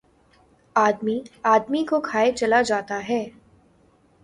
آدمی، آدمی کو کھائے چلا جاتا ہے